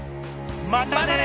またね！